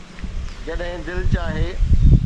جڏهن دل چاهي